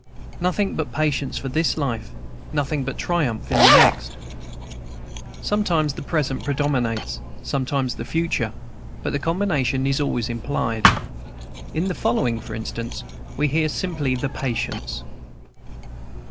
Nothing but patience for this life, nothing but triumph in the next. Sometimes the present predominates, sometimes the future; but the combination is always implied. In the following, for instance, we hear simply the patience.